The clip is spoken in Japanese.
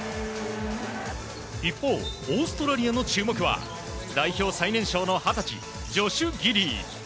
一方、オーストラリアの注目は、代表最年少の２０歳、ジョシュ・ギディー。